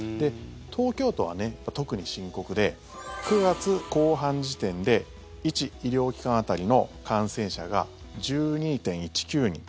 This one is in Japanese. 東京都は特に深刻で９月後半時点で１医療機関当たりの感染者が１２．１９人。